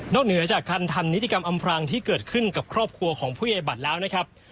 เหนือจากการทำนิติกรรมอำพรางที่เกิดขึ้นกับครอบครัวของผู้ใหญ่บัตรแล้วนะครับ